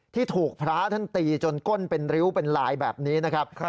ที่ถูกพระท่านตีจนก้นเป็นริ้วเป็นลายแบบนี้นะครับ